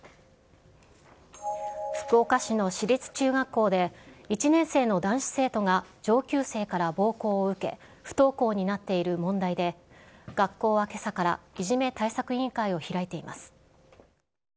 福岡市の私立中学校で、１年生の男子生徒が上級生から暴行を受け、不登校になっている問題で、学校はけさから、いじめ対策委員会を開いています。